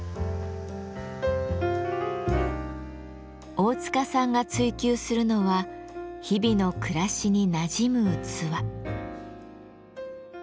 大塚さんが追求するのは日々の暮らしになじむ器。